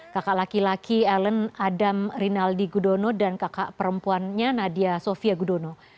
kakak laki laki ellen adam rinaldi gudono dan kakak perempuannya nadia sofia gudono